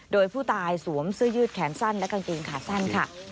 โดยผู้ตายสวมเสื้อยืดแขนสั้นและกางเกงขาสั้นค่ะ